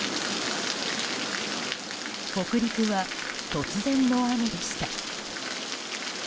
北陸は突然の雨でした。